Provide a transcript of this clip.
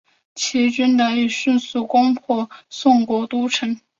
齐军得以迅速攻破宋国都城。